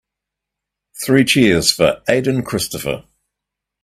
Three cheers for Aden Christopher.